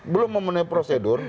belum memenuhi prosedur